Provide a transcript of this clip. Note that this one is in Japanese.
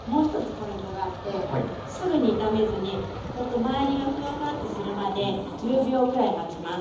ポイントがあってすぐに炒めずにこうやって周りがフワフワッとするまで１０秒くらい待ちます。